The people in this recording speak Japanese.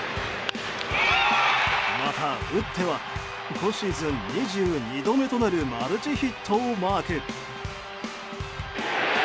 また、打っては今シーズン２２度目となるマルチヒットをマーク。